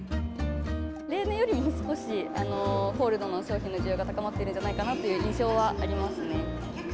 例年よりも少し、コールドの商品の需要が高まっているんじゃないかなという印象はありますね。